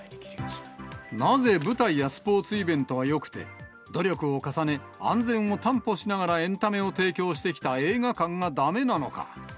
なぜ舞台やスポーツイベントはよくて、努力を重ね、安全を担保しながらエンタメを提供してきた映画館がだめなのか。